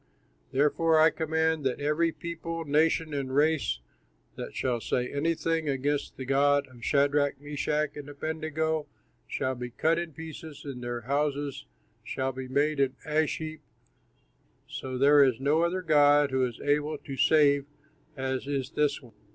Therefore I command that every people, nation, and race that shall say anything against the God of Shadrach, Meshach, and Abednego shall be cut in pieces and their house shall be made an ash heap, for there is no other god who is so able to save as is this one."